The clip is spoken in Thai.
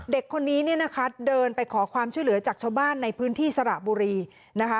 เด็กคนนี้เนี่ยนะคะเดินไปขอความช่วยเหลือจากชาวบ้านในพื้นที่สระบุรีนะคะ